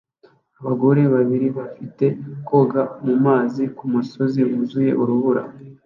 Abagore babiri bafite koga mumazi kumusozi wuzuye urubura